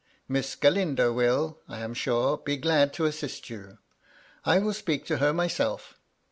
Miss Galindo will, I am sure, be glad to assist you. I will speak to her myself.